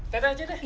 teh teh teh